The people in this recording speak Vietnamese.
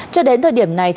cho đến thời điểm này